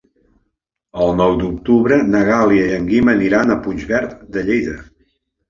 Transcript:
El nou d'octubre na Gal·la i en Guim aniran a Puigverd de Lleida.